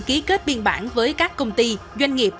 ký kết biên bản với các công ty doanh nghiệp